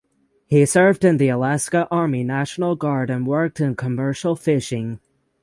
He served in the Alaska Army National Guard and worked in commercial fishing.